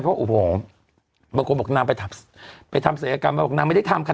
เพราะโอ้โหบางคนบอกนางไปทำศัยกรรมมาบอกนางไม่ได้ทำค่ะ